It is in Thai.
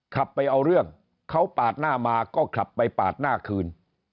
ขับไปเอาเรื่องเขาปาดหน้ามาก็ขับไปปาดหน้าคืน